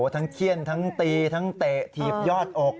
ทั้งแคลี่ยนทั้งตีทั้งเตะทียอดออก